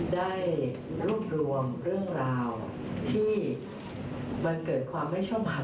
ได้รูปรวมเรื่องราวที่มันเกิดความไม่เชื่อมมาก